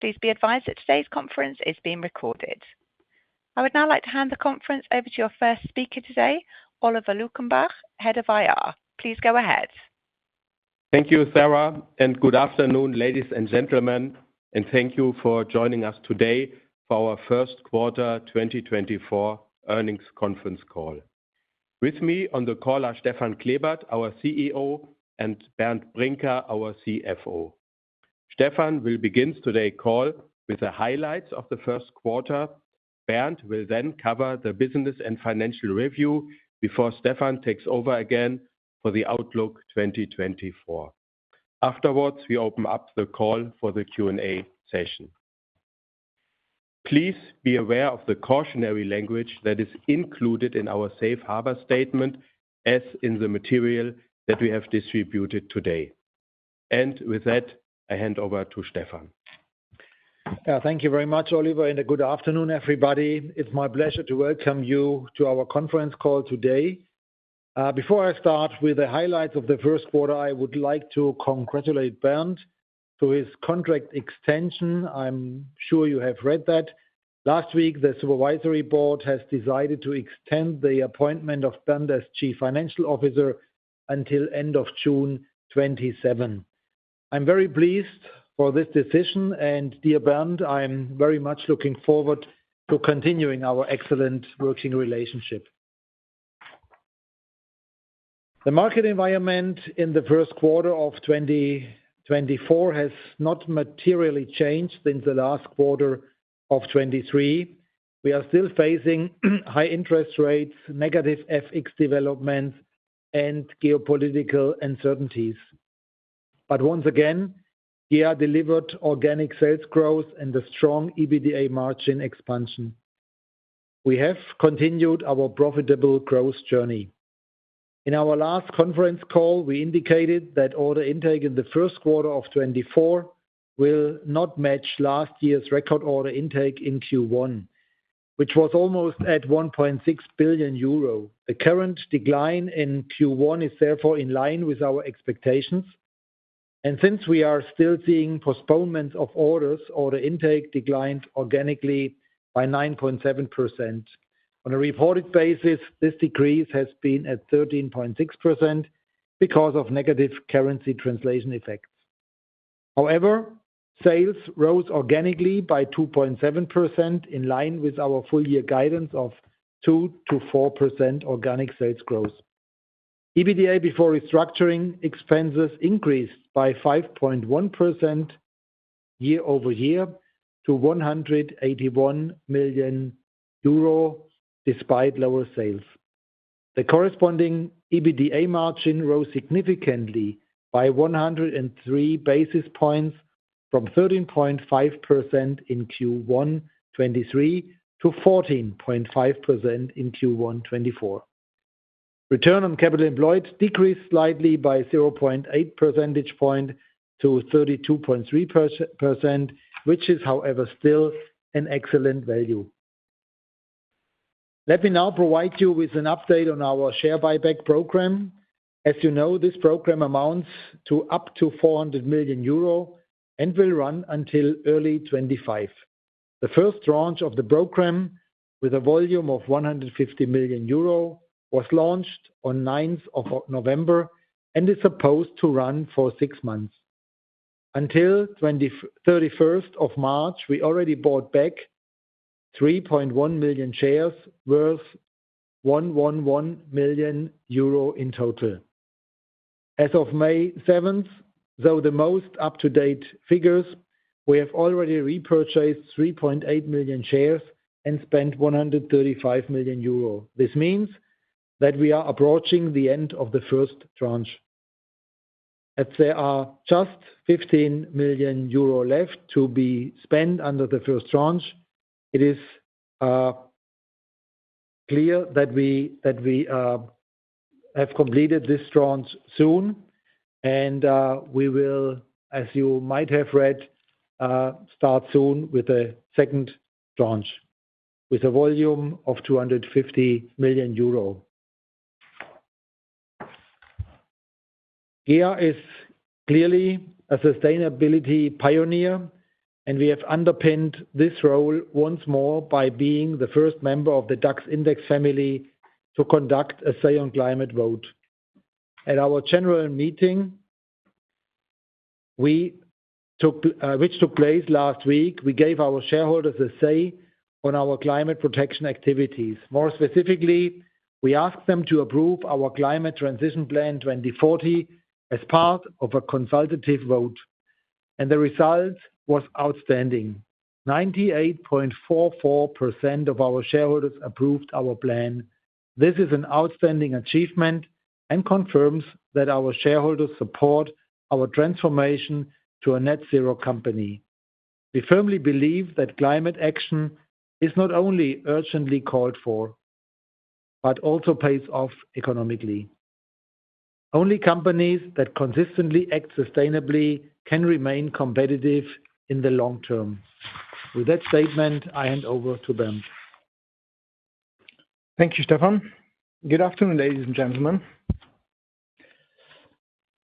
Please be advised that today's conference is being recorded. I would now like to hand the conference over to your first speaker today, Oliver Luckenbach, Head of IR. Please go ahead. Thank you, Sarah, and good afternoon, ladies and gentlemen, and thank you for joining us today for our first quarter 2024 earnings conference call. With me on the call are Stefan Klebert, our CEO, and Bernd Brinker, our CFO. Stefan will begin today's call with the highlights of the first quarter. Bernd will then cover the business and financial review before Stefan takes over again for the Outlook 2024. Afterwards, we open up the call for the Q&A session. Please be aware of the cautionary language that is included in our safe harbor statement, as in the material that we have distributed today. With that, I hand over to Stefan. Thank you very much, Oliver, and good afternoon, everybody. It's my pleasure to welcome you to our conference call today. Before I start with the highlights of the first quarter, I would like to congratulate Bernd to his contract extension. I'm sure you have read that. Last week, the supervisory board has decided to extend the appointment of Bernd as Chief Financial Officer until end of June 2027. I'm very pleased for this decision, and dear Bernd, I'm very much looking forward to continuing our excellent working relationship. The market environment in the first quarter of 2024 has not materially changed since the last quarter of 2023. We are still facing high interest rates, negative FX developments, and geopolitical uncertainties. But once again, we are delivered organic sales growth and a strong EBITDA margin expansion. We have continued our profitable growth journey. In our last conference call, we indicated that order intake in the first quarter of 2024 will not match last year's record order intake in Q1, which was almost at 1.6 billion euro. The current decline in Q1 is therefore in line with our expectations, and since we are still seeing postponements of orders, order intake declined organically by 9.7%. On a reported basis, this decrease has been at 13.6% because of negative currency translation effects. However, sales rose organically by 2.7%, in line with our full year guidance of 2%-4% organic sales growth. EBITDA, before restructuring expenses, increased by 5.1% year-over-year to 181 million euro, despite lower sales. The corresponding EBITDA margin rose significantly by 103 basis points from 13.5% in Q1 2023 to 14.5% in Q1 2024. Return on capital employed decreased slightly by 0.8 percentage point to 32.3%, which is, however, still an excellent value. Let me now provide you with an update on our share buyback program. As you know, this program amounts to up to 400 million euro and will run until early 2025. The first launch of the program, with a volume of 150 million euro, was launched on 9th of November and is supposed to run for 6 months. Until 31st of March, we already bought back 3.1 million shares worth 111 million euro in total. As of May 7th, the most up-to-date figures, we have already repurchased 3.8 million shares and spent 135 million euro. This means that we are approaching the end of the first tranche. As there are just 15 million euro left to be spent under the first tranche, it is clear that we have completed this tranche soon, and we will, as you might have read, start soon with a second tranche, with a volume of EUR 250 million. GEA is clearly a sustainability pioneer, and we have underpinned this role once more by being the first member of the DAX Index family to conduct a Say on Climate vote. At our general meeting, which took place last week, we gave our shareholders a say on our climate protection activities. More specifically, we asked them to approve our Climate Transition Plan 2040 as part of a consultative vote, and the result was outstanding. 98.44% of our shareholders approved our plan. This is an outstanding achievement and confirms that our shareholders support our transformation to a net zero company. We firmly believe that climate action is not only urgently called for, but also pays off economically. Only companies that consistently act sustainably can remain competitive in the long term. With that statement, I hand over to Bernd. Thank you, Stefan. Good afternoon, ladies and gentlemen.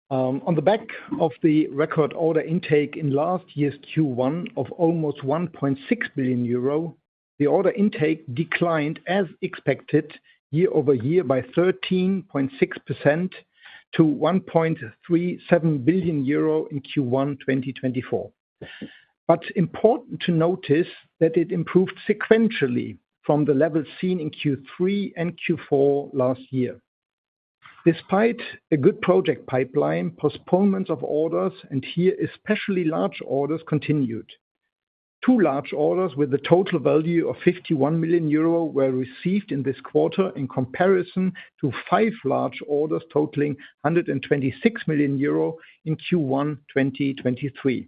On the back of the record order intake in last year's Q1 of almost 1.6 billion euro, the order intake declined as expected, year-over-year by 13.6% to 1.37 billion euro in Q1 2024. But important to notice that it improved sequentially from the levels seen in Q3 and Q4 last year. Despite a good project pipeline, postponements of orders, and here, especially large orders, continued. Two large orders with a total value of 51 million euro were received in this quarter, in comparison to five large orders totaling 126 million euro in Q1 2023.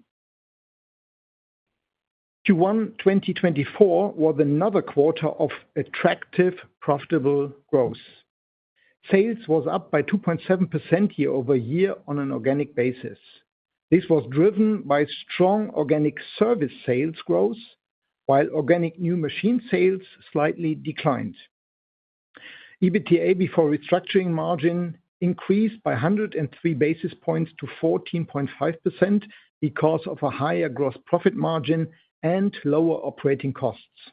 Q1 2024 was another quarter of attractive, profitable growth. Sales was up by 2.7% year-over-year on an organic basis. This was driven by strong organic service sales growth, while organic new machine sales slightly declined. EBITDA before restructuring margin increased by 103 basis points to 14.5% because of a higher gross profit margin and lower operating costs.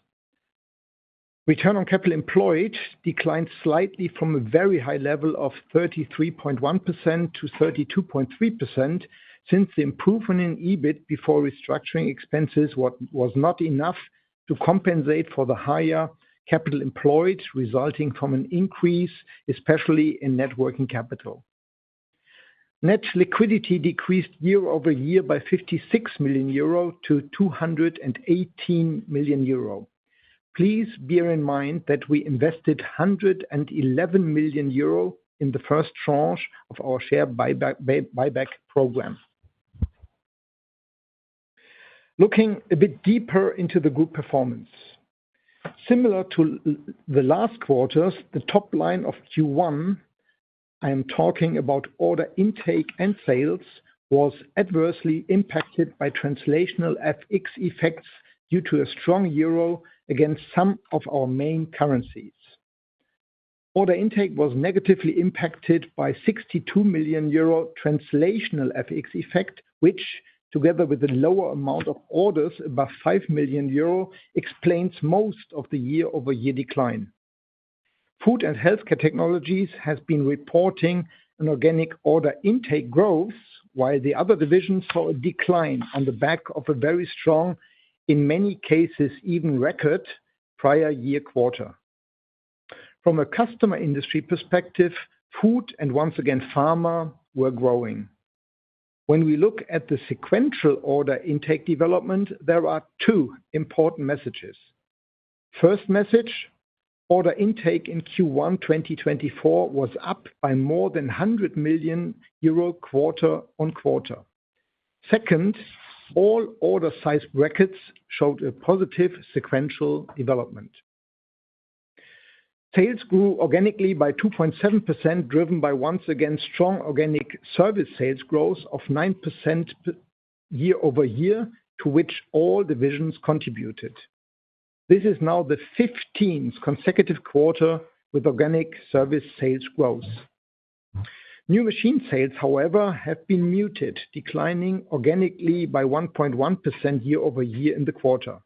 Return on capital employed declined slightly from a very high level of 33.1% to 32.3%, since the improvement in EBIT before restructuring expenses was not enough to compensate for the higher capital employed, resulting from an increase, especially in net working capital. Net liquidity decreased year-over-year by 56 million euro to 218 million euro. Please bear in mind that we invested 111 million euro in the first tranche of our share buyback program. Looking a bit deeper into the group performance. Similar to the last quarters, the top line of Q1, I am talking about order intake and sales, was adversely impacted by translational FX effects due to a strong euro against some of our main currencies. Order intake was negatively impacted by 62 million euro translational FX effect, which, together with the lower amount of orders, about 5 million euro, explains most of the year-over-year decline. Food and Healthcare Technologies has been reporting an organic order intake growth, while the other divisions saw a decline on the back of a very strong, in many cases, even record, prior year quarter. From a customer industry perspective, food and once again, pharma, were growing. When we look at the sequential order intake development, there are two important messages. First message: order intake in Q1 2024 was up by more than 100 million euro quarter-on-quarter. Second, all order size brackets showed a positive sequential development. Sales grew organically by 2.7%, driven by once again, strong organic service sales growth of 9% year-over-year, to which all divisions contributed. This is now the 15th consecutive quarter with organic service sales growth. New machine sales, however, have been muted, declining organically by 1.1% year-over-year in the quarter.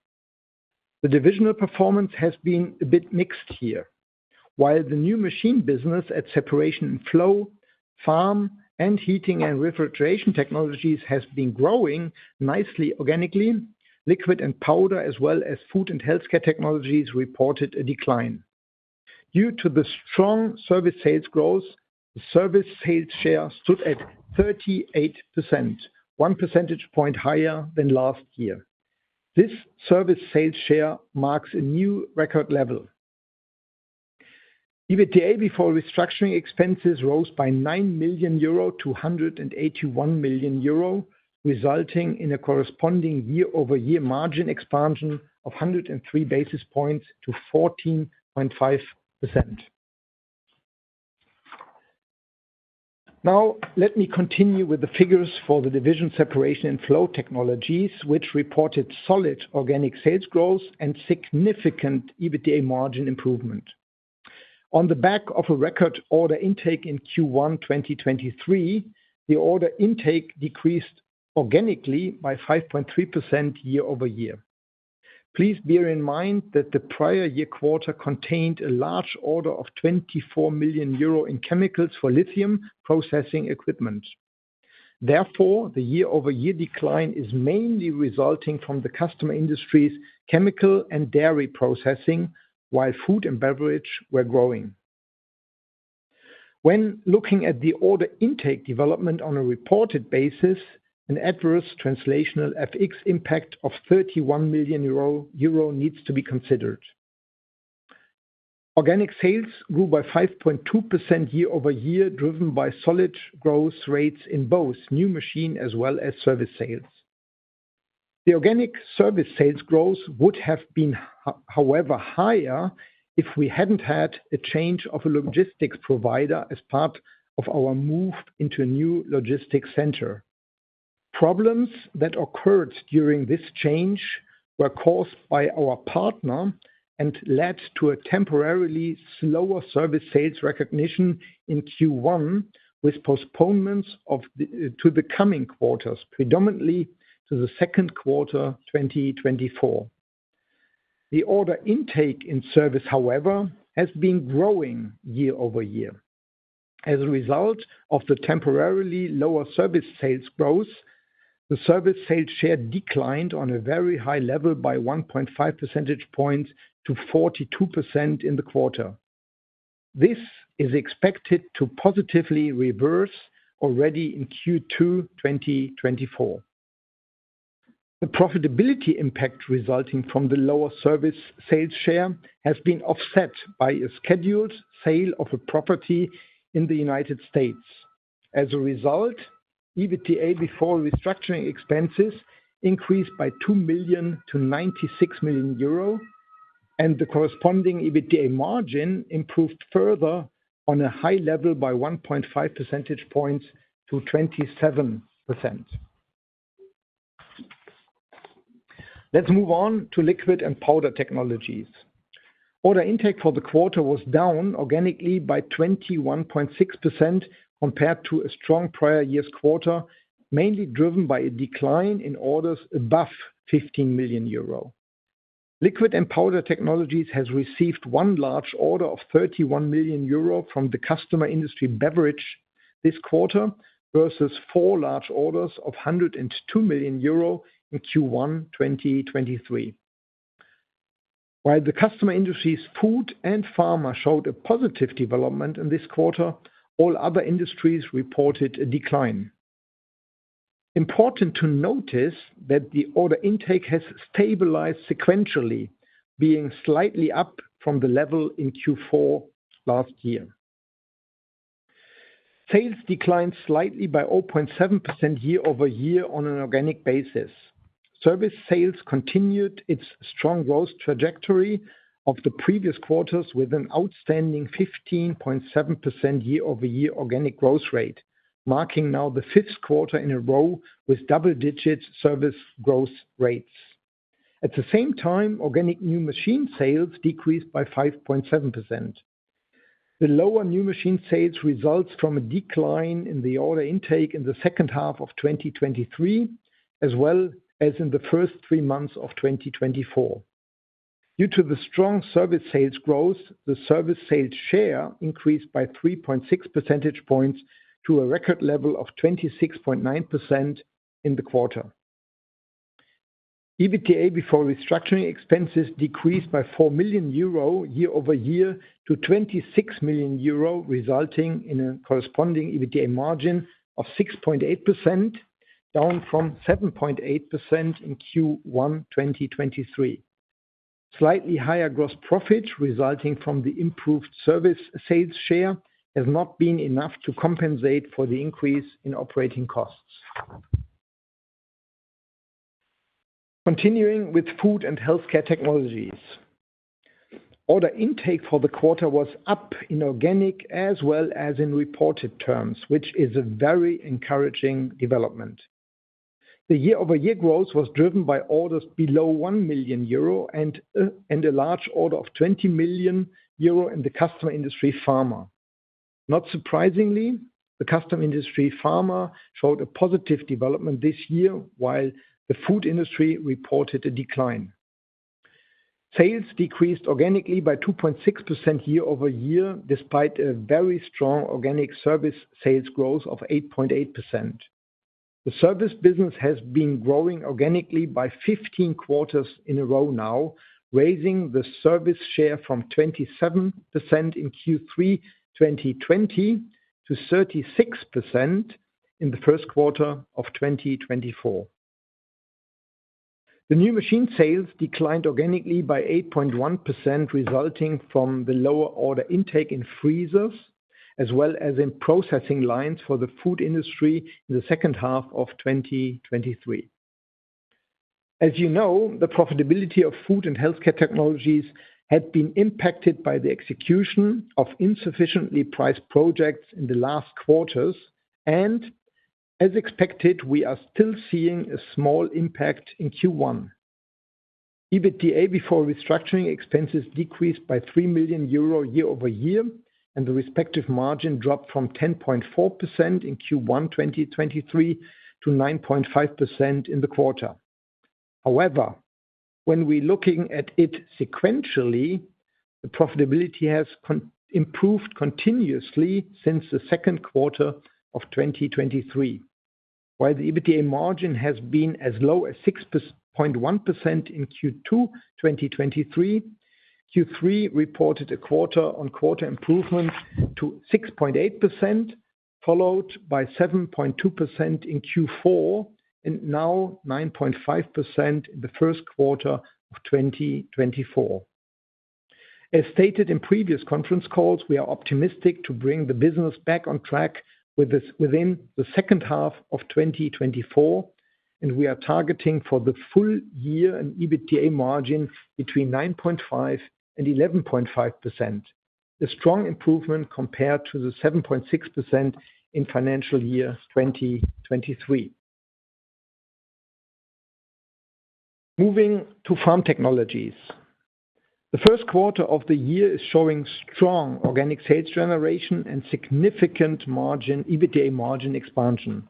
The divisional performance has been a bit mixed here. While the new machine business at Separation and Flow, Farm, and Heating and Refrigeration Technologies has been growing nicely organically, Liquid and Powder, as well as Food and Healthcare Technologies, reported a decline. Due to the strong service sales growth, the service sales share stood at 38%, one percentage point higher than last year. This service sales share marks a new record level. EBITDA before restructuring expenses rose by 9 million euro to 181 million euro, resulting in a corresponding year-over-year margin expansion of 103 basis points to 14.5%. Now, let me continue with the figures for the division Separation and Flow Technologies, which reported solid organic sales growth and significant EBITDA margin improvement. On the back of a record order intake in Q1 2023, the order intake decreased organically by 5.3% year-over-year. Please bear in mind that the prior year quarter contained a large order of 24 million euro in chemicals for lithium processing equipment. Therefore, the year-over-year decline is mainly resulting from the customer industries, chemical and dairy processing, while food and beverage were growing. When looking at the order intake development on a reported basis, an adverse translational FX impact of 31 million euro needs to be considered. Organic sales grew by 5.2% year-over-year, driven by solid growth rates in both new machine as well as service sales. The organic service sales growth would have been however, higher, if we hadn't had a change of a logistics provider as part of our move into a new logistics center. Problems that occurred during this change were caused by our partner and led to a temporarily slower service sales recognition in Q1, with postponements to the coming quarters, predominantly to the second quarter, 2024. The order intake in service, however, has been growing year-over-year. As a result of the temporarily lower service sales growth, the service sales share declined on a very high level by 1.5 percentage points to 42% in the quarter. This is expected to positively reverse already in Q2, 2024. The profitability impact resulting from the lower service sales share has been offset by a scheduled sale of a property in the United States. As a result, EBITDA before restructuring expenses increased by 2 million to 96 million euro, and the corresponding EBITDA margin improved further on a high level by 1.5 percentage points to 27%. Let's move on to Liquid and Powder Technologies. Order intake for the quarter was down organically by 21.6% compared to a strong prior year's quarter, mainly driven by a decline in orders above 15 million euro. Liquid and Powder Technologies has received one large order of 31 million euro from the customer industry beverage this quarter, versus four large orders of 102 million euro in Q1 2023. While the customer industries, Food and Pharma, showed a positive development in this quarter, all other industries reported a decline. Important to notice that the order intake has stabilized sequentially, being slightly up from the level in Q4 last year. Sales declined slightly by 0.7% year-over-year on an organic basis. Service sales continued its strong growth trajectory of the previous quarters with an outstanding 15.7% year-over-year organic growth rate, marking now the fifth quarter in a row with double-digit service growth rates. At the same time, organic new machine sales decreased by 5.7%. The lower new machine sales results from a decline in the order intake in the second half of 2023, as well as in the first three months of 2024. Due to the strong service sales growth, the service sales share increased by 3.6 percentage points to a record level of 26.9% in the quarter. EBITDA before restructuring expenses decreased by 4 million euro year over year to 26 million euro, resulting in a corresponding EBITDA margin of 6.8%, down from 7.8% in Q1 2023. Slightly higher gross profit, resulting from the improved service sales share, has not been enough to compensate for the increase in operating costs. Continuing with Food and Healthcare Technologies. Order intake for the quarter was up in organic as well as in reported terms, which is a very encouraging development. The year-over-year growth was driven by orders below 1 million euro and and a large order of 20 million euro in the customer industry pharma. Not surprisingly, the customer industry pharma showed a positive development this year, while the food industry reported a decline. Sales decreased organically by 2.6% year-over-year, despite a very strong organic service sales growth of 8.8%. The service business has been growing organically by 15 quarters in a row now, raising the service share from 27% in Q3 2020 to 36% in the first quarter of 2024. The new machine sales declined organically by 8.1%, resulting from the lower order intake in freezers, as well as in processing lines for the food industry in the second half of 2023. As you know, the profitability of Food and Healthcare Technologies had been impacted by the execution of insufficiently priced projects in the last quarters, and as expected, we are still seeing a small impact in Q1. EBITDA before restructuring expenses decreased by 3 million euro year-over-year, and the respective margin dropped from 10.4% in Q1 2023 to 9.5% in the quarter. However, when we're looking at it sequentially, the profitability has improved continuously since the second quarter of 2023. While the EBITDA margin has been as low as 6.1% in Q2 2023, Q3 reported a quarter-on-quarter improvement to 6.8%, followed by 7.2% in Q4, and now 9.5% in the first quarter of 2024. As stated in previous conference calls, we are optimistic to bring the business back on track within the second half of 2024, and we are targeting for the full year an EBITDA margin between 9.5% and 11.5%. A strong improvement compared to the 7.6% in financial year 2023. Moving to Farm Technologies. The first quarter of the year is showing strong organic sales generation and significant margin, EBITDA margin expansion.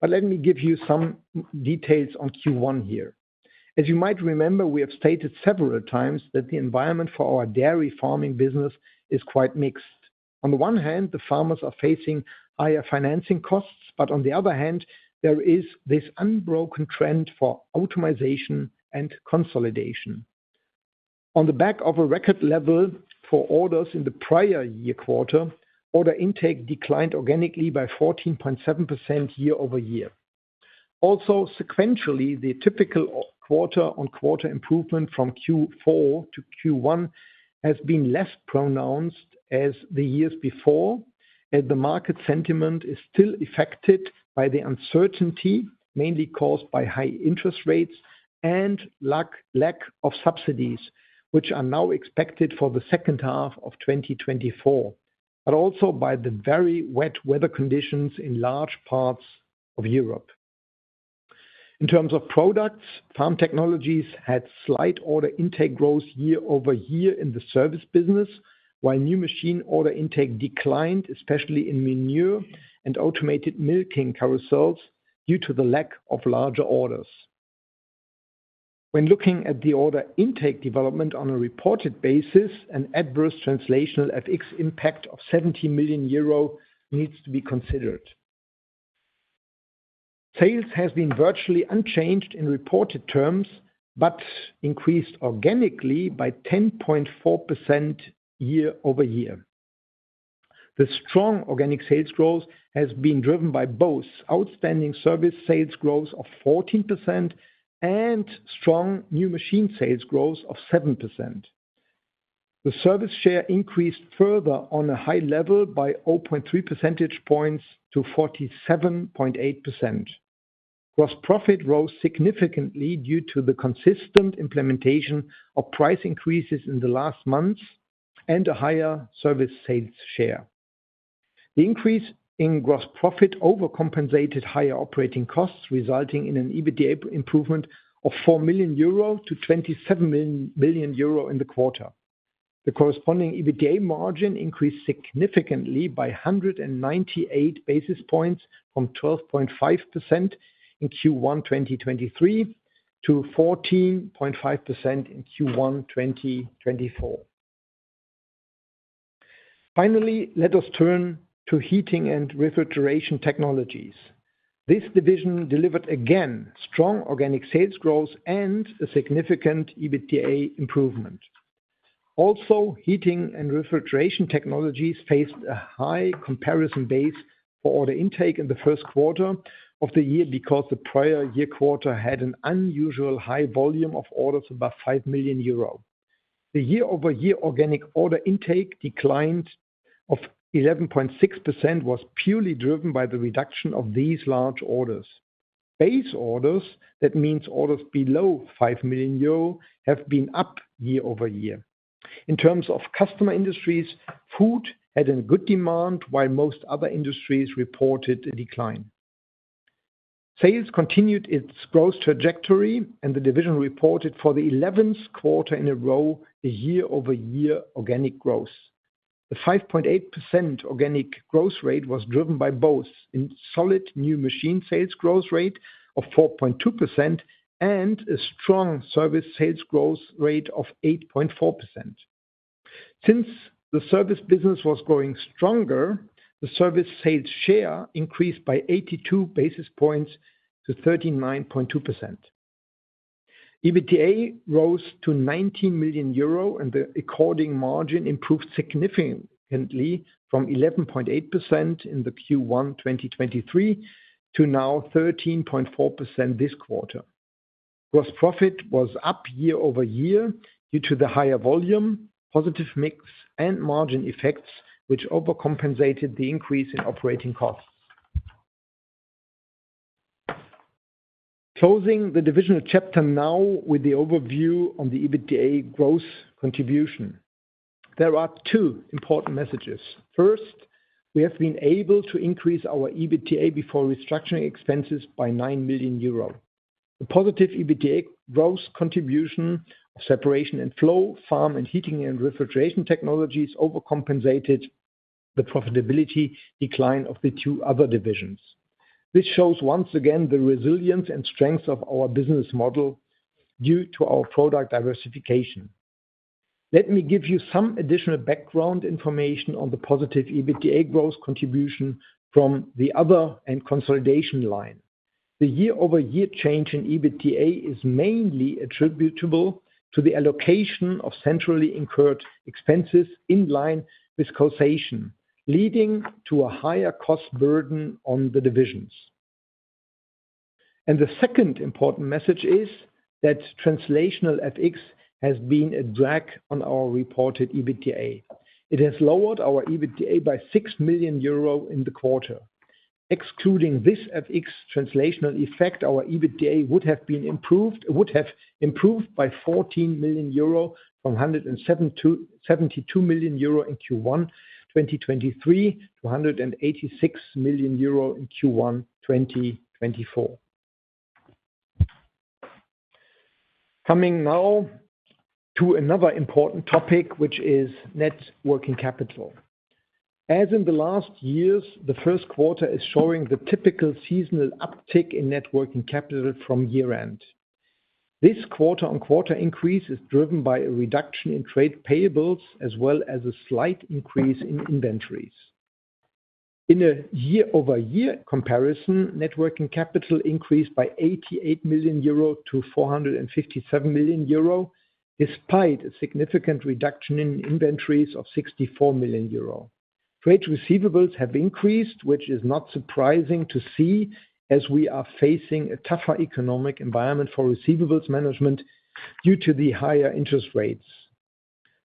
But let me give you some details on Q1 here. As you might remember, we have stated several times that the environment for our dairy farming business is quite mixed. On the one hand, the farmers are facing higher financing costs, but on the other hand, there is this unbroken trend for automation and consolidation. On the back of a record level for orders in the prior year quarter, order intake declined organically by 14.7% year-over-year. Also, sequentially, the typical quarter-on-quarter improvement from Q4 to Q1 has been less pronounced as the years before, as the market sentiment is still affected by the uncertainty, mainly caused by high interest rates and lack of subsidies, which are now expected for the second half of 2024, but also by the very wet weather conditions in large parts of Europe. In terms of products, Farm Technologies had slight order intake growth year-over-year in the service business, while new machine order intake declined, especially in manure and automated milking carousels, due to the lack of larger orders. When looking at the order intake development on a reported basis, an adverse translational FX impact of 70 million euro needs to be considered. Sales has been virtually unchanged in reported terms, but increased organically by 10.4% year-over-year. The strong organic sales growth has been driven by both outstanding service sales growth of 14% and strong new machine sales growth of 7%. The service share increased further on a high level by 0.3 percentage points to 47.8%. Gross profit rose significantly due to the consistent implementation of price increases in the last months and a higher service sales share. The increase in gross profit overcompensated higher operating costs, resulting in an EBITDA improvement of 4 million euro to 27 million euros in the quarter. The corresponding EBITDA margin increased significantly by 198 basis points, from 12.5% in Q1 2023, to 14.5% in Q1 2024. Finally, let us turn to Heating and Refrigeration Technologies. This division delivered, again, strong organic sales growth and a significant EBITDA improvement. Also, Heating and Refrigeration Technologies faced a high comparison base for order intake in the first quarter of the year because the prior year quarter had an unusually high volume of orders above 5 million euro. The year-over-year organic order intake decline of 11.6% was purely driven by the reduction of these large orders. Base orders, that means orders below 5 million euro, have been up year-over-year. In terms of customer industries, food had a good demand, while most other industries reported a decline. Sales continued its growth trajectory, and the division reported for the eleventh quarter in a row, a year-over-year organic growth. The 5.8% organic growth rate was driven by both a solid new machine sales growth rate of 4.2% and a strong service sales growth rate of 8.4%. Since the service business was growing stronger, the service sales share increased by 82 basis points to 39.2%. EBITDA rose to 19 million euro, and the according margin improved significantly from 11.8% in the Q1 2023, to now 13.4% this quarter. Gross profit was up year-over-year due to the higher volume, positive mix, and margin effects, which overcompensated the increase in operating costs. Closing the divisional chapter now with the overview on the EBITDA growth contribution. There are two important messages. First, we have been able to increase our EBITDA before restructuring expenses by 9 million euro. The positive EBITDA growth contribution of Separation and Flow, Farm, and Heating and Refrigeration Technologies overcompensated the profitability decline of the two other divisions. This shows, once again, the resilience and strength of our business model due to our product diversification. Let me give you some additional background information on the positive EBITDA growth contribution from the other and consolidation line. The year-over-year change in EBITDA is mainly attributable to the allocation of centrally incurred expenses in line with causation, leading to a higher cost burden on the divisions. The second important message is that translational FX has been a drag on our reported EBITDA. It has lowered our EBITDA by 6 million euro in the quarter, excluding this FX translational effect, our EBITDA would have been improved, would have improved by 14 million euro from 107 million euro in Q1 2023 to 121 million euro in Q1 2024. Coming now to another important topic, which is net working capital. As in the last years, the first quarter is showing the typical seasonal uptick in net working capital from year-end. This quarter-on-quarter increase is driven by a reduction in trade payables, as well as a slight increase in inventories. In a year-over-year comparison, net working capital increased by 88 million euro to 457 million euro, despite a significant reduction in inventories of 64 million euro. Trade receivables have increased, which is not surprising to see, as we are facing a tougher economic environment for receivables management due to the higher interest rates.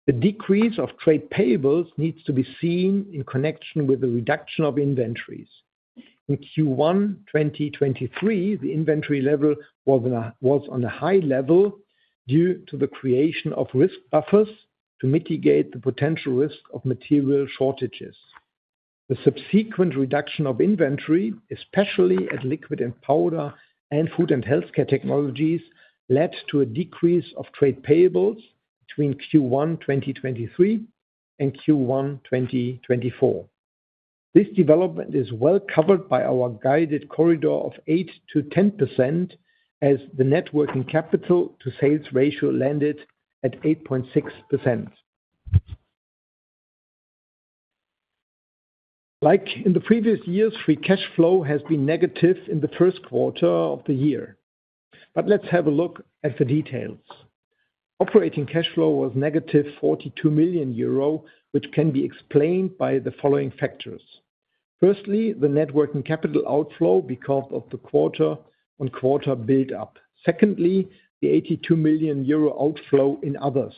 The decrease of trade payables needs to be seen in connection with the reduction of inventories. In Q1 2023, the inventory level was on a high level due to the creation of risk buffers to mitigate the potential risk of material shortages. The subsequent reduction of inventory, especially at Liquid and Powder, and Food and Healthcare Technologies, led to a decrease of trade payables between Q1 2023 and Q1 2024. This development is well covered by our guided corridor of 8%-10%, as the net working capital to sales ratio landed at 8.6%. Like in the previous years, free cash flow has been negative in the first quarter of the year. But let's have a look at the details. Operating cash flow was negative 42 million euro, which can be explained by the following factors: firstly, the net working capital outflow because of the quarter-on-quarter build up. Secondly, the 82 million euro outflow in others.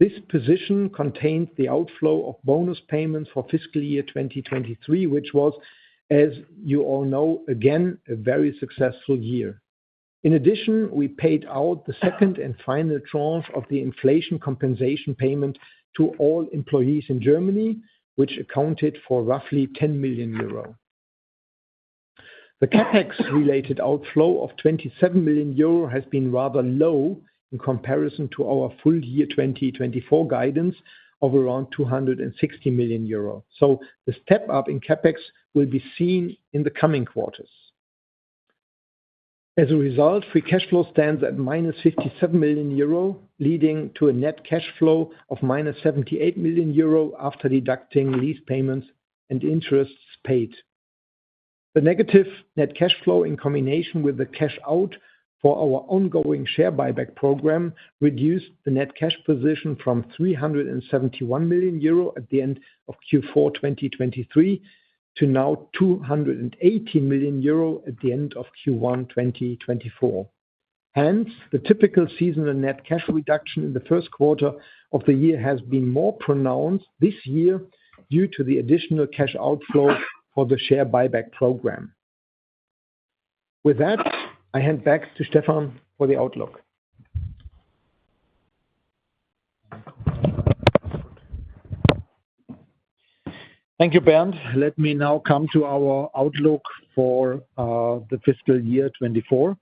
This position contains the outflow of bonus payments for fiscal year 2023, which was, as you all know, again, a very successful year. In addition, we paid out the second and final tranche of the inflation compensation payment to all employees in Germany, which accounted for roughly 10 million euro. The CapEx related outflow of 27 million euro has been rather low in comparison to our full year 2024 guidance of around 260 million euros. So the step up in CapEx will be seen in the coming quarters. As a result, free cash flow stands at -57 million euro, leading to a net cash flow of -78 million euro after deducting lease payments and interests paid. The negative net cash flow in combination with the cash out for our ongoing share buyback program, reduced the net cash position from 371 million euro at the end of Q4, 2023, to now 280 million euro at the end of Q1, 2024. Hence, the typical seasonal net cash reduction in the first quarter of the year has been more pronounced this year due to the additional cash outflow for the share buyback program. With that, I hand back to Stefan for the outlook. Thank you, Bernd. Let me now come to our outlook for the fiscal year 2024.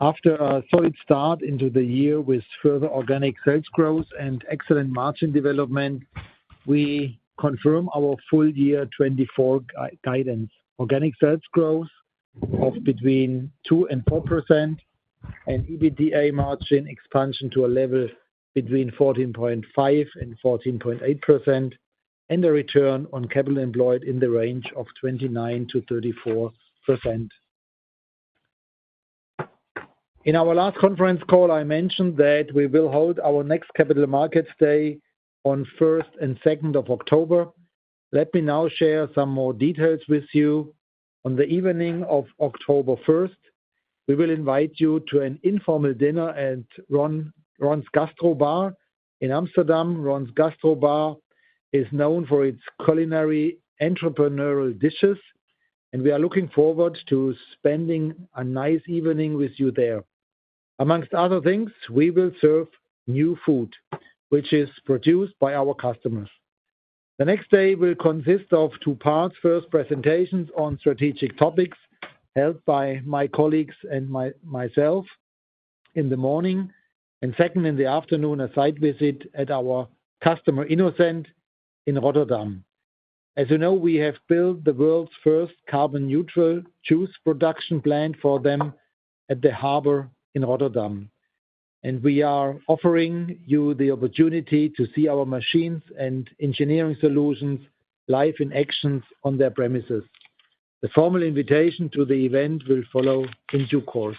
After a solid start into the year with further organic sales growth and excellent margin development, we confirm our full year 2024 guidance. Organic sales growth of between 2% and 4%, and EBITDA margin expansion to a level between 14.5% and 14.8%, and a return on capital employed in the range of 29%-34%. In our last conference call, I mentioned that we will hold our next Capital Markets Day on first and second of October. Let me now share some more details with you. On the evening of October first, we will invite you to an informal dinner at Ron's Gastrobar in Amsterdam. Ron Gastrobar is known for its culinary entrepreneurial dishes, and we are looking forward to spending a nice evening with you there. Among other things, we will serve new food, which is produced by our customers. The next day will consist of two parts. First, presentations on strategic topics, held by my colleagues and my, myself in the morning, and second, in the afternoon, a site visit at our customer, Innocent, in Rotterdam. As you know, we have built the world's first carbon neutral juice production plant for them at the harbor in Rotterdam, and we are offering you the opportunity to see our machines and engineering solutions live in action on their premises. The formal invitation to the event will follow in due course.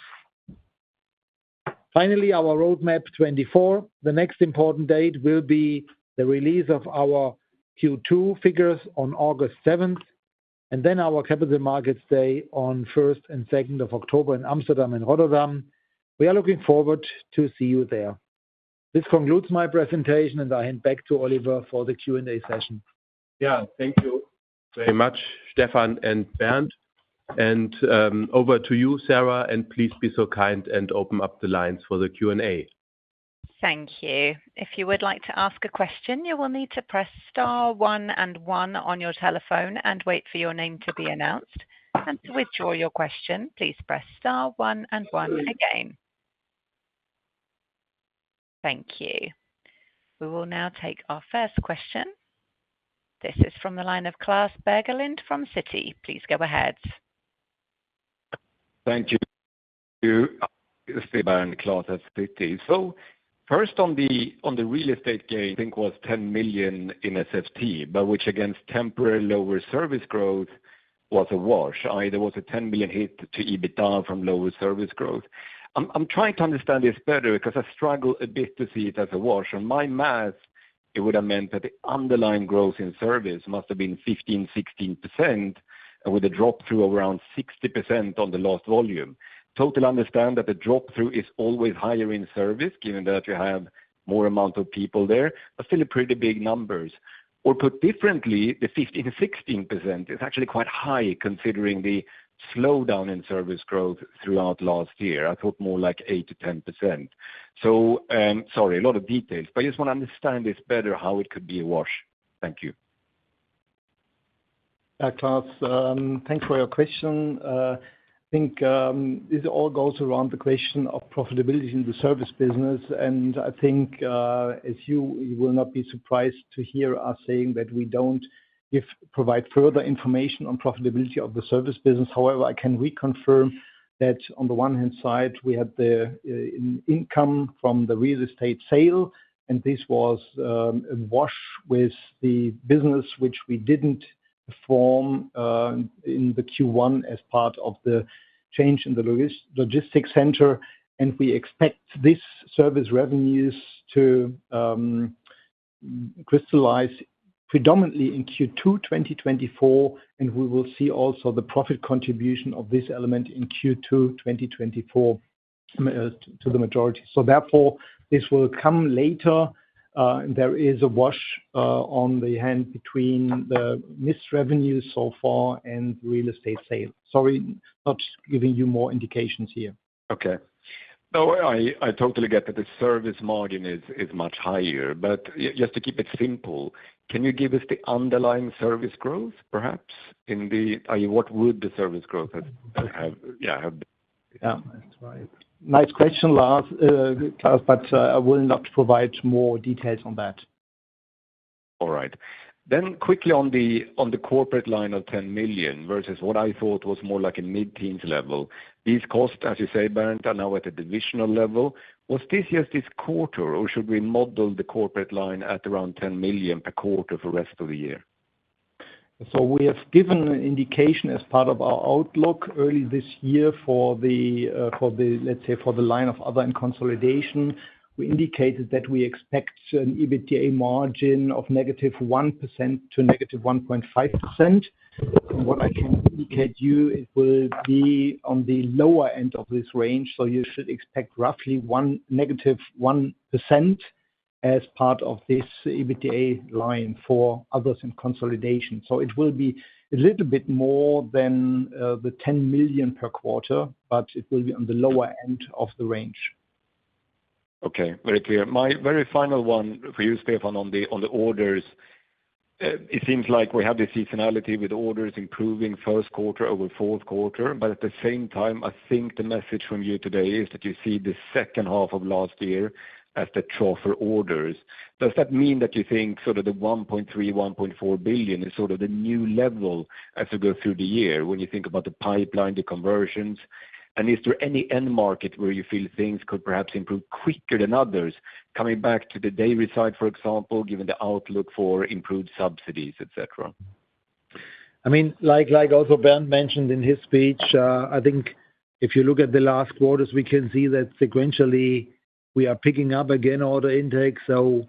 Finally, our roadmap 2024. The next important date will be the release of our Q2 figures on August 7, and then our Capital Markets Day on 1 and 2 of October in Amsterdam and Rotterdam. We are looking forward to see you there. This concludes my presentation, and I hand back to Oliver for the Q&A session. Yeah, thank you very much, Stefan and Bernd. Over to you, Sarah, and please be so kind and open up the lines for the Q&A. Thank you. If you would like to ask a question, you will need to press star one and one on your telephone and wait for your name to be announced. And to withdraw your question, please press star one and one again. Thank you. We will now take our first question. This is from the line of Klas Bergelind from Citi. Please go ahead. Thank you. It's Klas at Citi. So first on the real estate gain, I think, was 10 million in SFT, but which against temporary lower service growth was a wash. There was a 10 million hit to EBITDA from lower service growth. I'm trying to understand this better because I struggle a bit to see it as a wash. On my math, it would have meant that the underlying growth in service must have been 15%-16%, and with a drop through around 60% on the lost volume. Totally understand that the drop through is always higher in service, given that you have more amount of people there, but still a pretty big numbers. Or put differently, the 15%-16% is actually quite high, considering the slowdown in service growth throughout last year. I thought more like 8%-10%. Sorry, a lot of details, but I just want to understand this better, how it could be a wash. Thank you. Klas, thanks for your question. I think this all goes around the question of profitability in the service business, and I think as you you will not be surprised to hear us saying that we don't provide further information on profitability of the service business. However, I can reconfirm that on the one hand side, we have the income from the real estate sale, and this was a wash with the business which we didn't form in the Q1 as part of the change in the logistics center. And we expect this service revenues to crystallize predominantly in Q2 2024, and we will see also the profit contribution of this element in Q2 2024 to the majority. So therefore, this will come later. There is a wash on the one hand between the missed revenues so far and real estate sale. Sorry, not giving you more indications here. Okay. No, I totally get that the service margin is much higher, but just to keep it simple, can you give us the underlying service growth, perhaps, in the—what would the service growth have? Yeah, that's right. Nice question, Klas, but I will not provide more details on that. All right. Then quickly on the corporate line of 10 million versus what I thought was more like a mid-teens level. These costs, as you say, Bernd, are now at a divisional level. Was this just this quarter, or should we model the corporate line at around 10 million per quarter for the rest of the year? So we have given an indication as part of our outlook early this year for the, for the, let's say, for the line of other and consolidation. We indicated that we expect an EBITDA margin of -1% to -1.5%. And what I can indicate you, it will be on the lower end of this range, so you should expect roughly negative 1% as part of this EBITDA line for others in consolidation. So it will be a little bit more than the 10 million per quarter, but it will be on the lower end of the range. Okay, very clear. My very final one for you, Stefan, on the, on the orders. It seems like we have the seasonality with orders improving first quarter over fourth quarter, but at the same time, I think the message from you today is that you see the second half of last year as the trough for orders. Does that mean that you think sort of the 1.3 billion-1.4 billion is sort of the new level as you go through the year, when you think about the pipeline, the conversions? And is there any end market where you feel things could perhaps improve quicker than others? Coming back to the dairy side, for example, given the outlook for improved subsidies, et cetera. I mean, like, also Bernd mentioned in his speech, I think if you look at the last quarters, we can see that sequentially, we are picking up again order intake. So,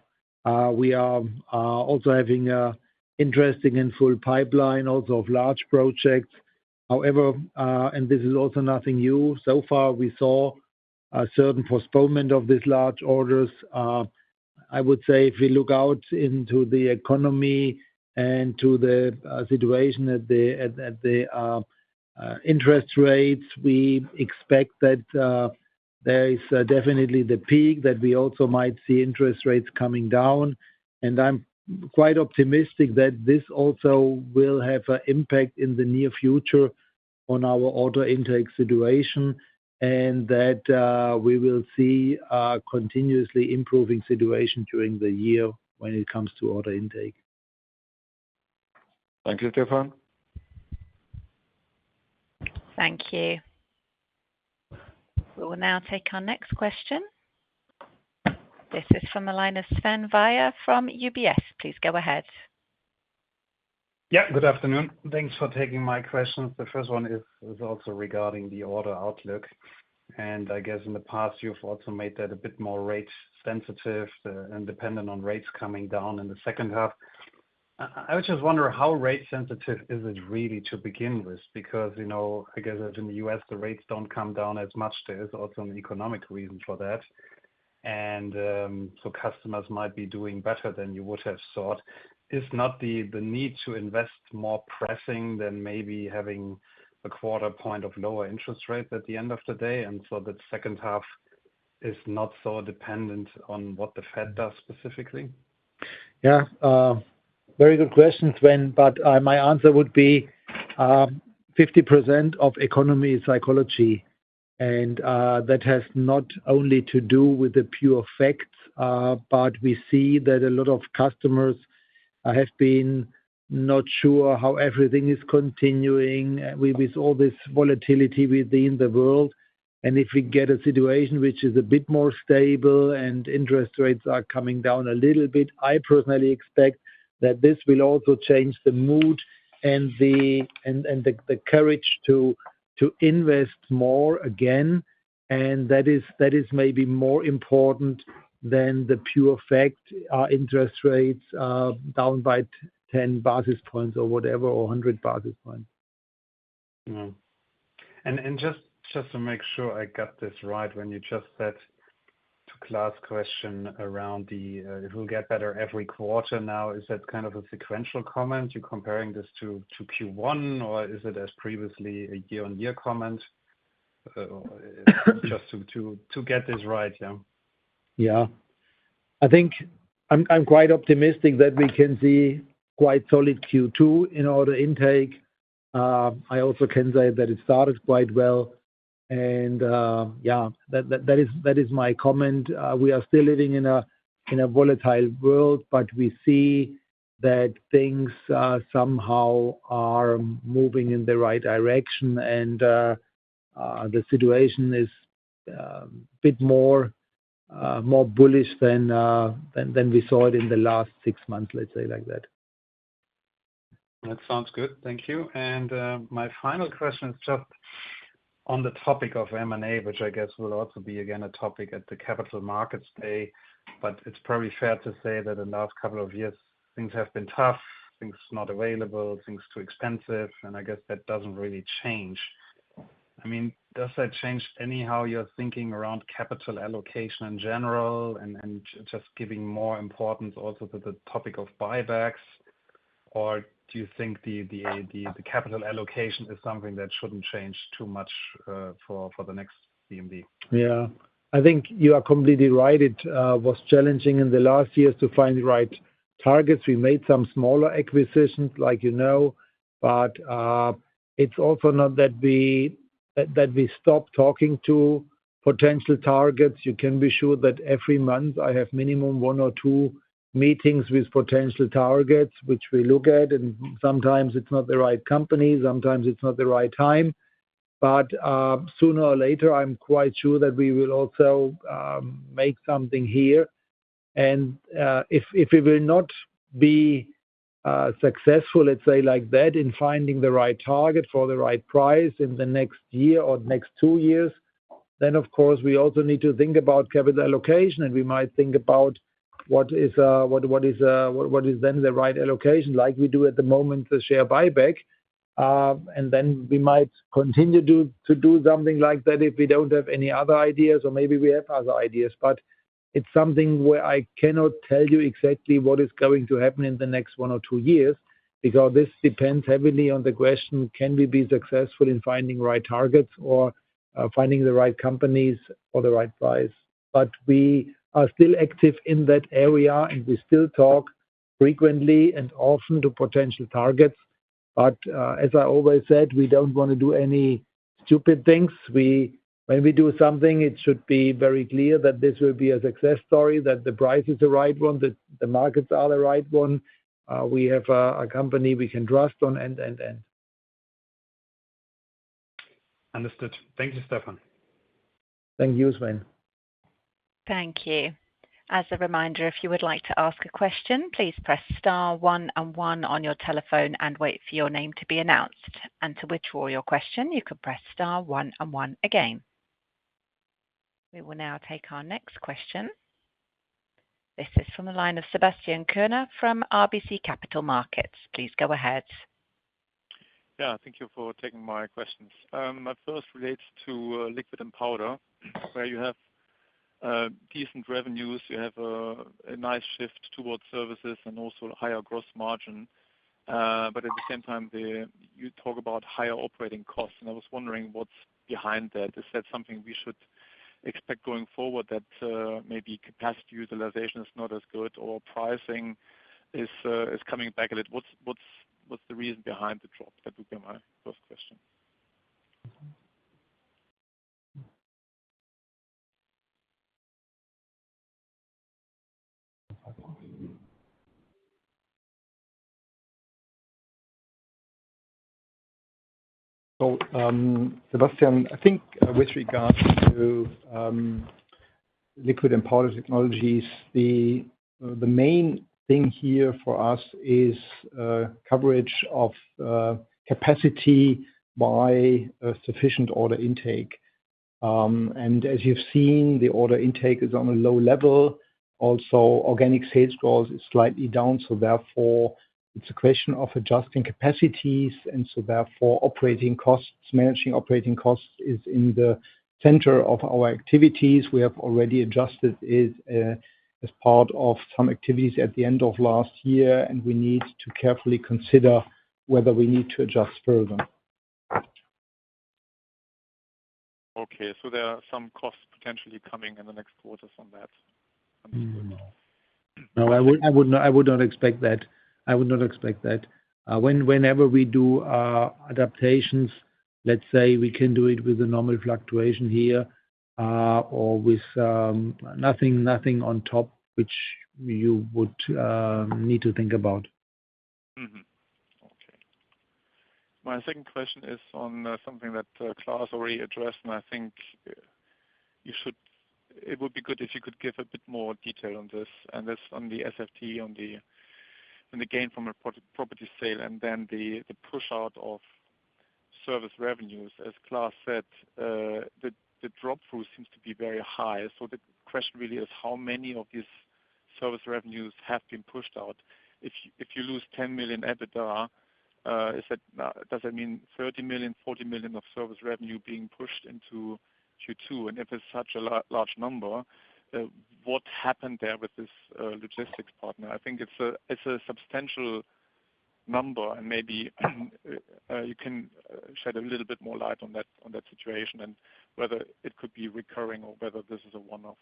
we are also having an interesting and full pipeline, also of large projects. However, and this is also nothing new. So far, we saw a certain postponement of these large orders. I would say if we look out into the economy and to the situation at the interest rates, we expect that there is definitely the peak, that we also might see interest rates coming down. And I'm quite optimistic that this also will have an impact in the near future on our order intake situation, and that we will see a continuously improving situation during the year when it comes to order intake. Thank you, Stefan. Thank you. We will now take our next question. This is from the line of Sven Weier from UBS. Please go ahead. Yeah, good afternoon. Thanks for taking my questions. The first one is also regarding the order outlook, and I guess in the past you've also made that a bit more rate sensitive, and dependent on rates coming down in the second half. I was just wondering how rate sensitive is it really to begin with? Because, you know, I guess in the U.S., the rates don't come down as much. There is also an economic reason for that. And so customers might be doing better than you would have thought. Isn't the need to invest more pressing than maybe having a quarter point of lower interest rate at the end of the day, and so the second half is not so dependent on what the Fed does specifically? Yeah, very good question, Sven. But, my answer would be, 50% of economy is psychology, and, that has not only to do with the pure facts, but we see that a lot of customers have been not sure how everything is continuing with all this volatility within the world. And if we get a situation which is a bit more stable and interest rates are coming down a little bit, I personally expect that this will also change the mood and the courage to invest more again. And that is maybe more important than the pure fact our interest rates are down by 10 basis points or whatever, or 100 basis points. Mm-hmm. And just to make sure I got this right, when you just said to Klas' question around the, it will get better every quarter now, is that kind of a sequential comment? You're comparing this to Q1, or is it as previously a year-on-year comment? Just to get this right, yeah. Yeah. I think I'm quite optimistic that we can see quite solid Q2 in order intake. I also can say that it started quite well, and yeah, that is my comment. We are still living in a volatile world, but we see that things somehow are moving in the right direction. The situation is a bit more bullish than we saw it in the last six months, let's say, like that. That sounds good. Thank you. And my final question is just on the topic of M&A, which I guess will also be, again, a topic at the Capital Markets Day. But it's probably fair to say that in the last couple of years, things have been tough, things not available, things too expensive, and I guess that doesn't really change. I mean, does that change anyhow your thinking around capital allocation in general and just giving more importance also to the topic of buybacks? Or do you think the, the, the capital allocation is something that shouldn't change too much for the next CMD? Yeah. I think you are completely right. It was challenging in the last years to find the right targets. We made some smaller acquisitions, like you know, but it's also not that we stopped talking to potential targets. You can be sure that every month I have minimum one or two meetings with potential targets, which we look at, and sometimes it's not the right company, sometimes it's not the right time. But sooner or later, I'm quite sure that we will also make something here. If we will not be successful, let's say like that, in finding the right target for the right price in the next year or next two years, then, of course, we also need to think about capital allocation, and we might think about what is then the right allocation, like we do at the moment, the share buyback. And then we might continue to do something like that if we don't have any other ideas, or maybe we have other ideas. But it's something where I cannot tell you exactly what is going to happen in the next one or two years, because this depends heavily on the question, can we be successful in finding the right targets or finding the right companies for the right price? But we are still active in that area, and we still talk frequently and often to potential targets. But, as I always said, we don't wanna do any stupid things. When we do something, it should be very clear that this will be a success story, that the price is the right one, that the markets are the right one, we have a company we can trust on. Understood. Thank you, Stefan. Thank you, Sven. Thank you. As a reminder, if you would like to ask a question, please press star one and one on your telephone and wait for your name to be announced. And to withdraw your question, you can press star one and one again. We will now take our next question. This is from the line of Sebastian Kuenne from RBC Capital Markets. Please go ahead. Yeah, thank you for taking my questions. My first relates to liquid and powder, where you have decent revenues, you have a nice shift towards services and also higher gross margin. But at the same time, you talk about higher operating costs, and I was wondering what's behind that. Is that something we should expect going forward that maybe capacity utilization is not as good, or pricing is coming back a little? What's the reason behind the drop? That would be my first question. Sebastian, I think with regards to Liquid and Powder Technologies, the main thing here for us is coverage of capacity by a sufficient order intake and as you've seen, the order intake is on a low level. Also, organic sales growth is slightly down, so therefore, it's a question of adjusting capacities, and so therefore operating costs, managing operating costs is in the center of our activities. We have already adjusted it, as part of some activities at the end of last year, and we need to carefully consider whether we need to adjust further. Okay, so there are some costs potentially coming in the next quarters on that? No, I would, I would not, I would not expect that. I would not expect that. Whenever we do adaptations, let's say we can do it with a normal fluctuation here, or with nothing, nothing on top, which you would need to think about. Mm-hmm. Okay. My second question is on something that Klas already addressed, and I think you should—it would be good if you could give a bit more detail on this, and that's on the SFT, on the gain from a property sale, and then the push out of service revenues. As Klas said, the drop through seems to be very high. So the question really is how many of these service revenues have been pushed out? If you lose 10 million EBITDA, does that mean 30 million, 40 million of service revenue being pushed into Q2? And if it's such a large number, what happened there with this logistics partner? I think it's a substantial number, and maybe you can shed a little bit more light on that, on that situation, and whether it could be recurring or whether this is a one-off.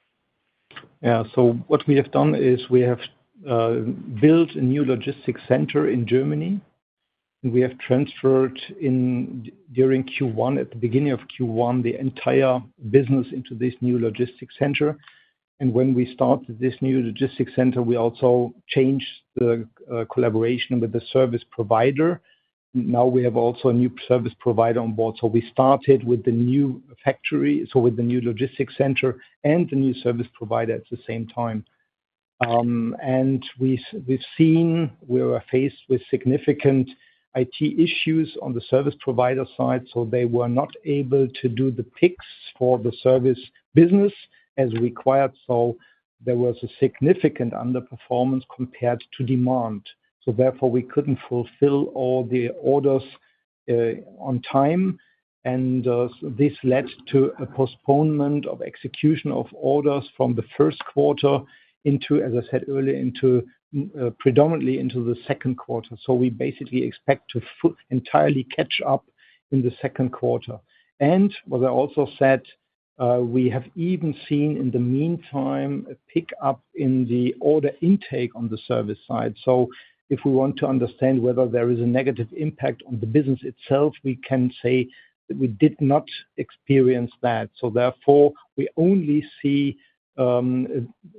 Yeah. So what we have done is we have built a new logistics center in Germany. We have transferred in, during Q1, at the beginning of Q1, the entire business into this new logistics center. And when we started this new logistics center, we also changed the collaboration with the service provider. Now we have also a new service provider on board. So we started with the new factory, so with the new logistics center and the new service provider at the same time. And we've seen we were faced with significant IT issues on the service provider side, so they were not able to do the picks for the service business as required. So there was a significant underperformance compared to demand. So therefore, we couldn't fulfill all the orders on time, and so this led to a postponement of execution of orders from the first quarter into, as I said earlier, into predominantly into the second quarter. So we basically expect to entirely catch up in the second quarter. And what I also said, we have even seen in the meantime a pickup in the order intake on the service side. So if we want to understand whether there is a negative impact on the business itself, we can say that we did not experience that. So therefore, we only see a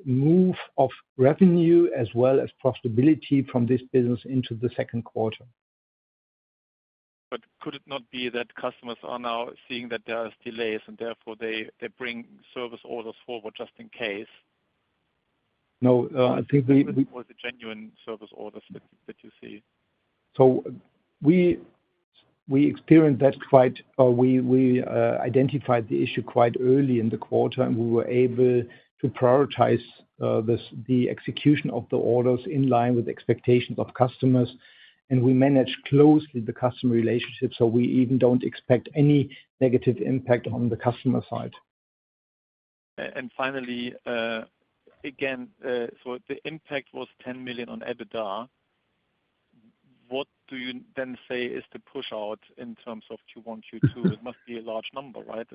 move of revenue as well as profitability from this business into the second quarter. Could it not be that customers are now seeing that there are delays, and therefore they bring service orders forward just in case? No, I think we Or is it the genuine service orders that you see? So we experienced that quite early in the quarter, and we were able to prioritize the execution of the orders in line with expectations of customers. We managed closely the customer relationship, so we even don't expect any negative impact on the customer side. And finally, again, so the impact was 10 million on EBITDA. What do you then say is the push out in terms of Q1, Q2? It must be a large number, right?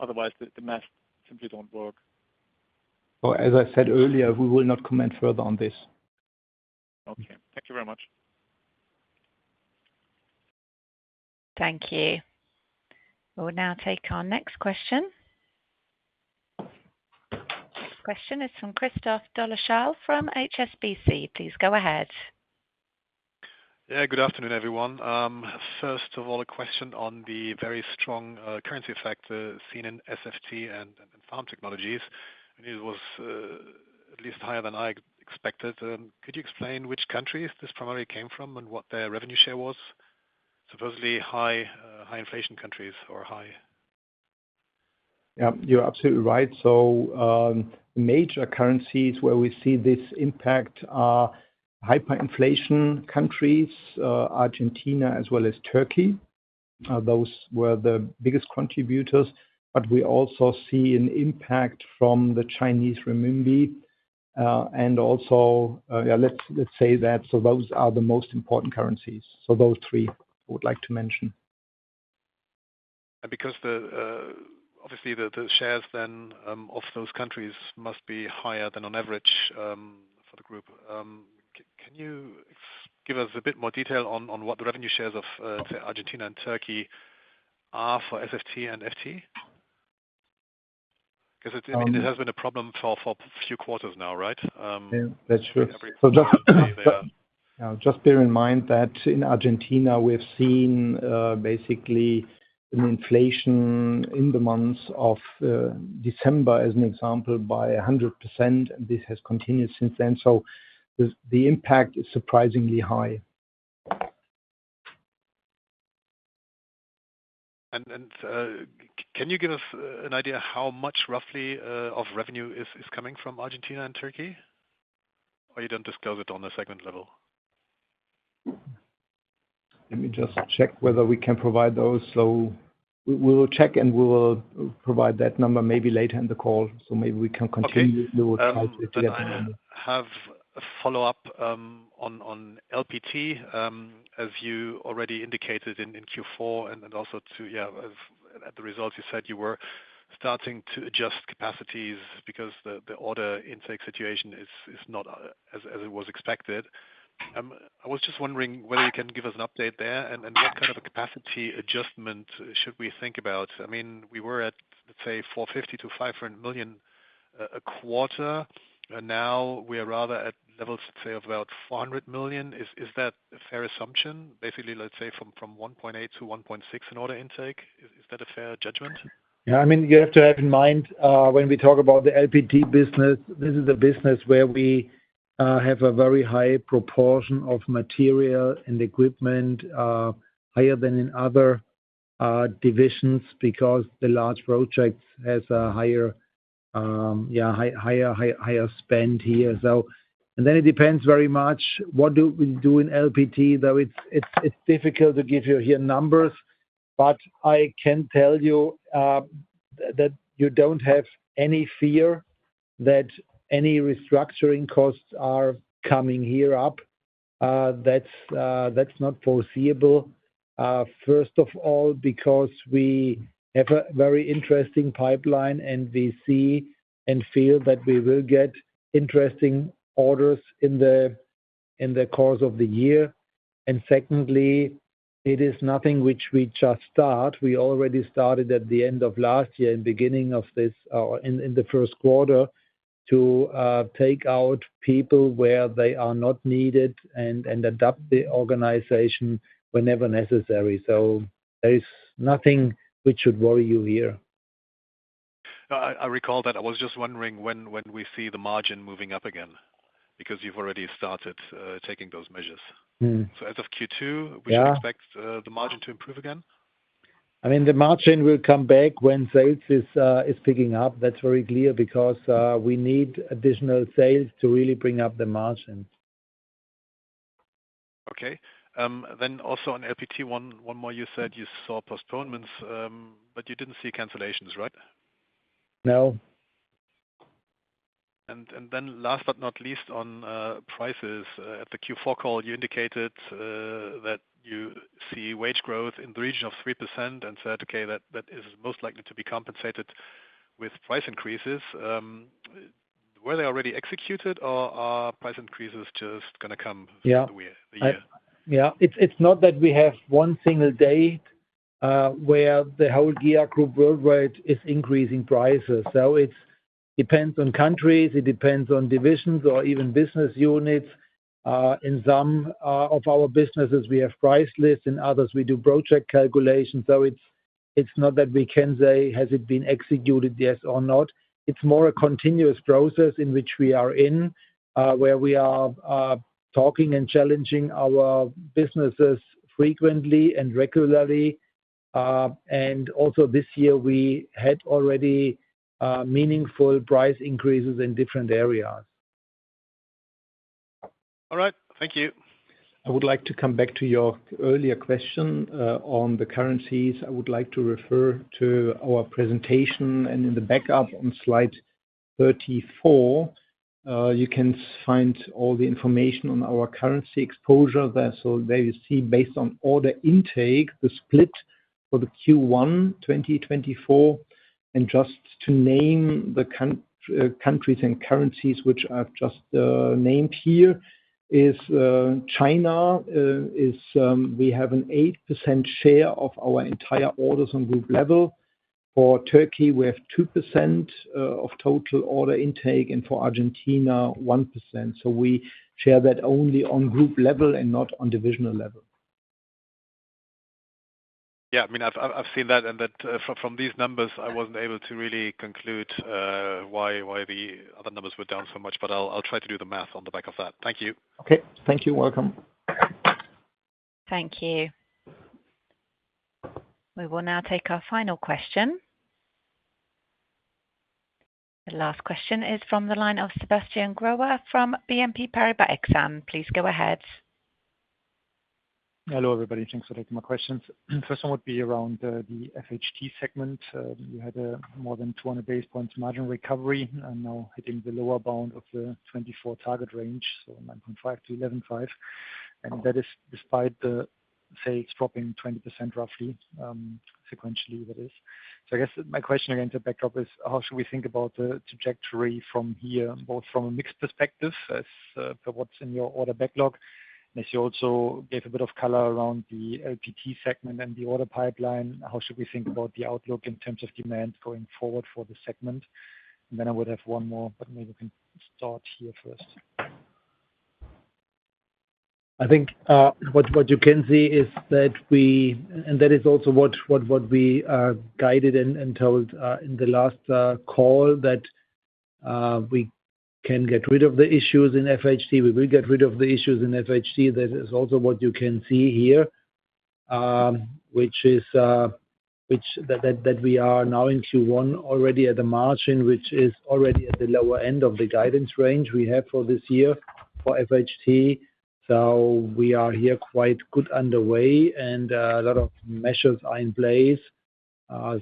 Otherwise, the math simply don't work. Well, as I said earlier, we will not comment further on this. Okay. Thank you very much. Thank you. We will now take our next question. Next question is from Christoph Dolleschal from HSBC. Please go ahead. Yeah, good afternoon, everyone. First of all, a question on the very strong currency effect seen in SFT and pharma technologies. It was at least higher than I expected. Could you explain which countries this primarily came from and what their revenue share was? Supposedly high inflation countries or high. Yeah, you're absolutely right. So, major currencies where we see this impact are hyperinflation countries, Argentina as well as Turkey. Those were the biggest contributors, but we also see an impact from the Chinese renminbi, and also, yeah, let's say that. So those are the most important currencies. So those three, I would like to mention. Because obviously the shares then of those countries must be higher than on average for the group. Can you give us a bit more detail on what the revenue shares of say Argentina and Turkey are for SFT and FT? 'Cause it, I mean, it has been a problem for a few quarters now, right? Yeah, that's true. So just- Yeah, just bear in mind that in Argentina, we have seen, basically an inflation in the months of December, as an example, by 100%, and this has continued since then. So the impact is surprisingly high.... Can you give us an idea how much roughly of revenue is coming from Argentina and Turkey? Or you don't disclose it on the segment level? Let me just check whether we can provide those. So we will check, and we will provide that number maybe later in the call, so maybe we can continue. Okay. With those slides if you have- Then I have a follow-up on LPT. As you already indicated in Q4 and also at the results, you said you were starting to adjust capacities because the order intake situation is not as it was expected. I was just wondering whether you can give us an update there, and what kind of a capacity adjustment should we think about? I mean, we were at, let's say, 450 million-500 million a quarter, and now we are rather at levels, say, of about 400 million. Is that a fair assumption? Basically, let's say from 1.8 billion-1.6 billion in order intake, is that a fair judgment? Yeah. I mean, you have to have in mind, when we talk about the LPT business, this is a business where we have a very high proportion of material and equipment, higher than in other divisions because the large projects has a higher spend here. And then it depends very much what do we do in LPT, though it's difficult to give you here numbers, but I can tell you that you don't have any fear that any restructuring costs are coming up here. That's not foreseeable. First of all, because we have a very interesting pipeline, and we see and feel that we will get interesting orders in the course of the year. And secondly, it is nothing which we just start. We already started at the end of last year and beginning of this in the first quarter to take out people where they are not needed and adapt the organization whenever necessary. So there is nothing which should worry you here. I recall that. I was just wondering when we see the margin moving up again, because you've already started taking those measures. Mm. As of Q2- Yeah... we expect the margin to improve again? I mean, the margin will come back when sales is picking up. That's very clear, because we need additional sales to really bring up the margin. Okay. Then also on LPT, one more. You said you saw postponements, but you didn't see cancellations, right? No. Then last but not least, on prices, at the Q4 call, you indicated that you see wage growth in the region of 3% and said, okay, that is most likely to be compensated with price increases. Were they already executed, or are price increases just gonna come- Yeah through the year? Yeah. It's, it's not that we have one single day, where the whole GEA Group worldwide is increasing prices. So it's depends on countries, it depends on divisions or even business units. In some of our businesses we have price lists, in others we do project calculations. So it's, it's not that we can say, "Has it been executed, yes or not?" It's more a continuous process in which we are in, where we are, talking and challenging our businesses frequently and regularly. And also this year we had already meaningful price increases in different areas. All right. Thank you. I would like to come back to your earlier question on the currencies. I would like to refer to our presentation, and in the backup on slide 34, you can find all the information on our currency exposure there. So there you see, based on order intake, the split for the Q1 2024, and just to name the countries and currencies, which I've just named here is China, we have an 8% share of our entire orders on group level. For Turkey, we have 2% of total order intake, and for Argentina, 1%. So we share that only on group level and not on divisional level. Yeah, I mean, I've seen that, and that, from these numbers, I wasn't able to really conclude why the other numbers were down so much, but I'll try to do the math on the back of that. Thank you. Okay. Thank you. Welcome. Thank you. We will now take our final question. The last question is from the line of Sebastian Growe from BNP Paribas Exane. Please go ahead. Hello, everybody, thanks for taking my questions. First one would be around the FHT segment. You had a more than 200 basis points margin recovery and now hitting the lower bound of the 24 target range, so 9.5%-11.5%. And that is despite the sales dropping 20% roughly, sequentially, that is. So I guess my question, again, to backdrop is: How should we think about the trajectory from here, both from a mix perspective as for what's in your order backlog? And if you also gave a bit of color around the LPT segment and the order pipeline, how should we think about the outlook in terms of demand going forward for the segment? And then I would have one more, but maybe we can start here first. I think what you can see is that we and that is also what we guided and told in the last call, that we can get rid of the issues in FHT. We will get rid of the issues in FHT. That is also what you can see here, which is that we are now in Q1, already at the margin, which is already at the lower end of the guidance range we have for this year for FHT. So we are here quite good underway, and a lot of measures are in place.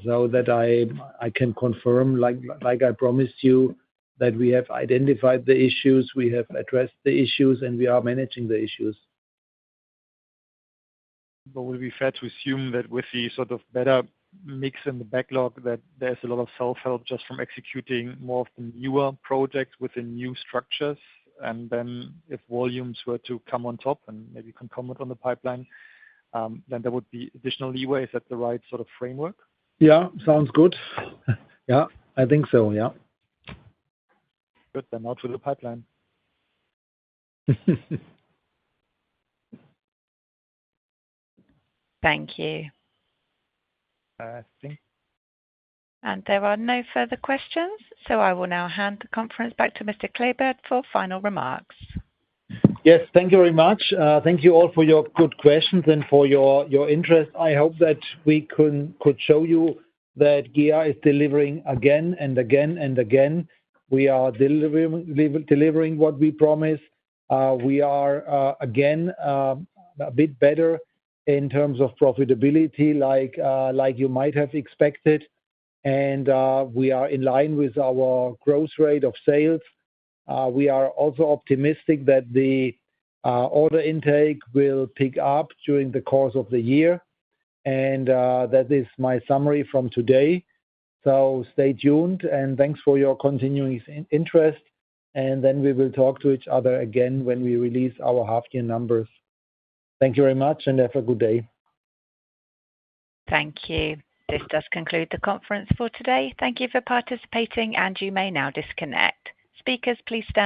So that I can confirm, like I promised you, that we have identified the issues, we have addressed the issues, and we are managing the issues. But would it be fair to assume that with the sort of better mix in the backlog, that there's a lot of self-help just from executing more of the newer projects within new structures? And then if volumes were to come on top, and maybe you can comment on the pipeline, then there would be additional leeway. Is that the right sort of framework? Yeah, sounds good. Yeah, I think so, yeah. Good, then now to the pipeline. Thank you. I think- There are no further questions, so I will now hand the conference back to Mr. Klebert for final remarks. Yes, thank you very much. Thank you all for your good questions and for your interest. I hope that we could show you that GEA is delivering again and again and again. We are delivering what we promised. We are again a bit better in terms of profitability, like you might have expected, and we are in line with our growth rate of sales. We are also optimistic that the order intake will pick up during the course of the year, and that is my summary from today. So stay tuned, and thanks for your continuing interest, and then we will talk to each other again when we release our half year numbers. Thank you very much, and have a good day. Thank you. This does conclude the conference for today. Thank you for participating, and you may now disconnect. Speakers, please stay on the line.